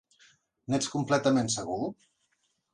N'ets completament segur?